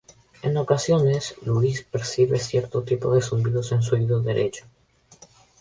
En ocasiones, Louis percibe cierto tipo de zumbidos en su oído derecho.